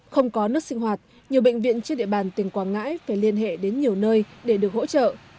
không có nước sinh hoạt nhiều bệnh viện trên địa bàn tỉnh quảng ngãi phải liên hệ đến nhiều nơi để được hỗ trợ